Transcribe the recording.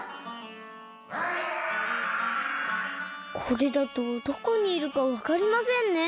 これだとどこにいるかわかりませんね。